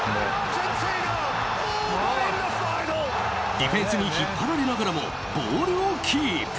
ディフェンスに引っ張られながらもボールをキープ。